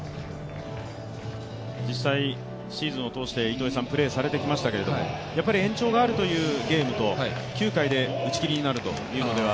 実際、シーズンを通してプレーされてきましたけれども、やっぱり延長があるゲームと、９回で打ち切るになるというのでは。